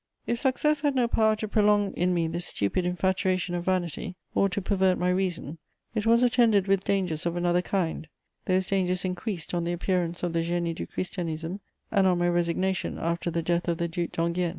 If success had no power to prolong in me this stupid infatuation of vanity, or to pervert my reason, it was attended with dangers of another kind: those dangers increased on the appearance of the Génie du Christianisme and on my resignation after the death of the Duc d'Enghien.